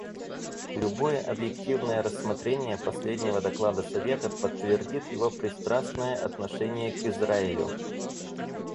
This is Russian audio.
Любое объективное рассмотрение последнего доклада Совета подтвердит его пристрастное отношение к Израилю.